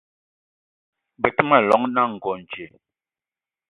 Be te ma llong na Ngonj